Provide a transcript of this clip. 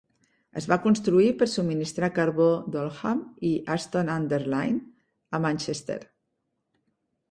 Es va construir per subministrar carbó d'Oldham i Ashton-under-Lyne a Manchester.